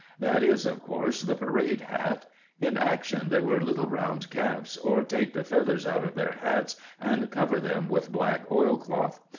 That is, of course, the parade hat. In action they wear little round caps or take the feathers out of their hats and cover them with black oilcloth.